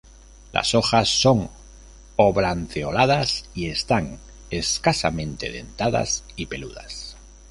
Las hojas son oblanceoladas y están escasamente dentadas y peludas.